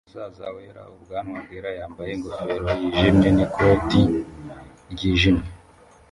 Umusaza wera ubwanwa bwera yambaye ingofero yijimye n'ikoti ryijimye